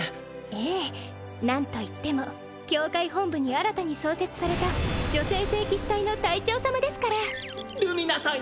ええ何といっても教会本部に新たに創設された女性聖騎士隊の隊長様ですからルミナさん